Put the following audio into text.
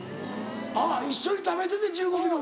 あっ一緒に食べてて１５ｋｇ。